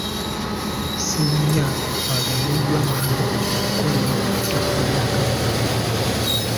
Ssebunnya aganyuddwa nnyo mu kukolera ku ttaka lya Kabaka .